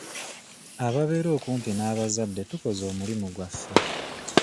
Ababeera okumpi n'abazadde tukoze omuli gwaffe.